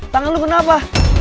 tangan lu kenapa